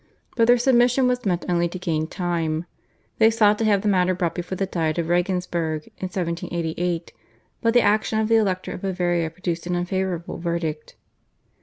But their submission was meant only to gain time. They sought to have the matter brought before the Diet at Regensburg in 1788, but the action of the Elector of Bavaria produced an unfavourable verdict.